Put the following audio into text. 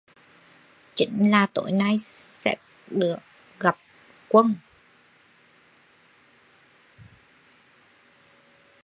Chính là Tối nay có sẽ được gặp Quân